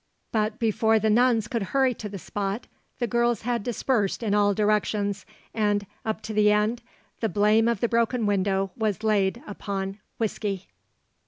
But before the nuns could hurry to the spot, the girls had dispersed in all directions, and, up to the end, the blame of the broken window was laid upon Whisky.